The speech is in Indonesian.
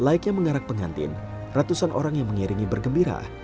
laiknya mengarak pengantin ratusan orang yang mengiringi bergembira